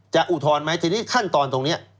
อุทธรณ์ไหมทีนี้ขั้นตอนตรงนี้